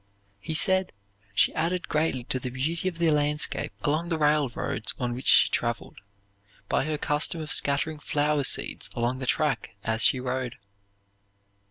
He said she added greatly to the beauty of the landscape along the railroads on which she traveled, by her custom of scattering flower seeds along the track as she rode.